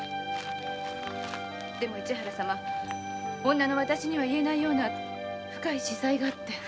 でも市原様女のわたしに言えないような深い訳があって。